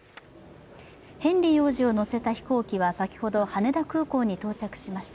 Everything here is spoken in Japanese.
ヘンリー王子を乗せた飛行機は先ほど羽田空港に到着しました。